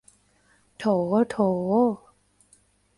โถ โถ